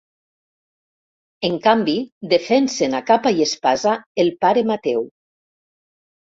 En canvi, defensen a capa i espasa el pare Mateu.